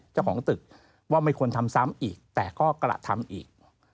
เจ้าของตึกว่าไม่ควรทำซ้ำอีกแต่ก็กระทำอีก